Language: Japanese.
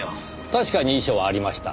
確かに遺書はありました。